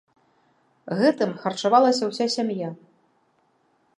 Гэтым харчавалася ўся сям'я.